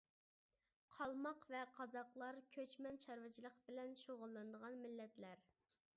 قالماق ۋە قازاقلار كۆچمەن چارۋىچىلىق بىلەن شۇغۇللىنىدىغان مىللەتلەر.